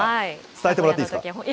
伝えてもらっていいですか。